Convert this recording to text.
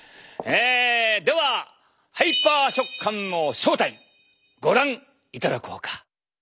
ではハイパー食感の正体ご覧いただこうか。